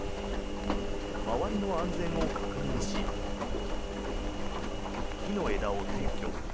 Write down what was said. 周りの安全を確認し木の枝を撤去。